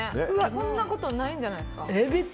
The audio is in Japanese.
こんなことないんじゃないですか。